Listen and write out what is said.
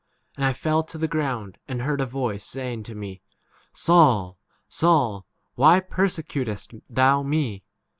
And I fell to the ground, and heard a voice saying to me, Saul, Saul, why 8 persecutest thou me